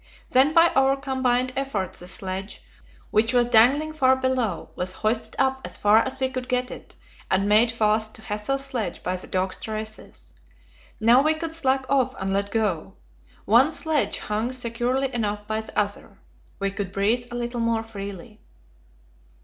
Then by our combined efforts the sledge, which was dangling far below, was hoisted up as far as we could get it, and made fast to Hassel's sledge by the dogs' traces. Now we could slack off and let go: one sledge hung securely enough by the other. We could breathe a little more freely.